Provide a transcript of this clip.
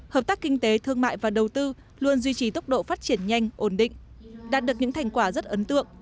hợp tác kinh tế thương mại và đầu tư luôn duy trì tốc độ phát triển nhanh ổn định đạt được những thành quả rất ấn tượng